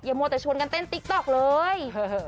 มัวแต่ชวนกันเต้นติ๊กต๊อกเลย